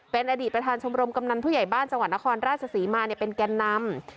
เป็นอดีตประธานชมรมกำนันผู้ใหญ่บ้านจังหวัดนครราชศรีมาเป็นแก่นำ